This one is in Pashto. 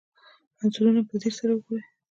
انځورونه په ځیر سره وګورئ.